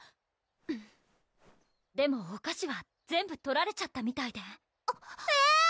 うんでもお菓子は全部とられちゃったみたいでえっ